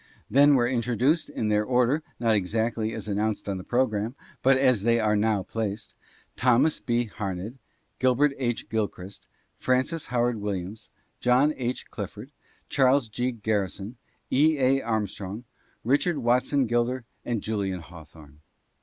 Then were introduced in their order, not exactly as announced on the programme, but as they are now placed, Thomas B. Harned, Herbert H. Gilchrist, Francis Howard Williams, John H. Clifford, Charles G. Garri son, E. A. Armstrong, Richard Watson Gilder and Julian Haw thorne.